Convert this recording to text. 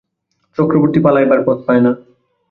চক্রবর্তী পালাইবার পথ পায় না।